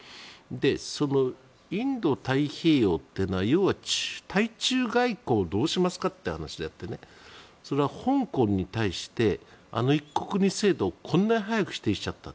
そのインド太平洋というのは要は対中外交をどうしますかという話であってそれは香港に対してあの一国二制度をこんなに早く指定しちゃった。